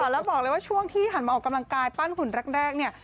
แล้วบอกเลยว่าช่วงที่หันมาออกกำลังกายปั้นหุ่นแรกเนี่ย